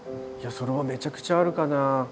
それはめちゃくちゃあるかな。